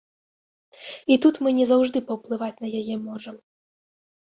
І тут мы не заўжды паўплываць на яе можам.